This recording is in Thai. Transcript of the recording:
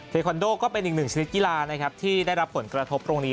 คอนโดก็เป็นอีกหนึ่งชนิดกีฬานะครับที่ได้รับผลกระทบตรงนี้